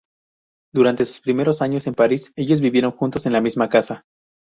Durante sus primeros años en París ellos vivieron juntos en la misma casa.